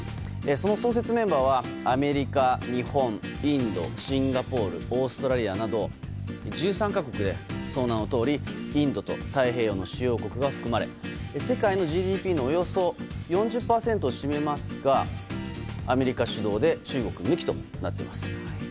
その創設メンバーはアメリカ、日本、インドシンガポールオーストラリアなど１３か国で、その名のとおりインドと太平洋の主要国が含まれ、世界のＧＤＰのおよそ４０％を占めますがアメリカ主導で中国抜きとなっています。